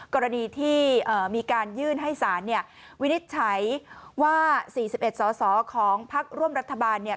กรณีที่มีการยื่นให้ศาลเนี่ยวินิจฉัยว่า๔๑สอสอของพักร่วมรัฐบาลเนี่ย